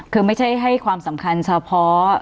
คือไม่ใช่ให้ความสำคัญเฉพาะ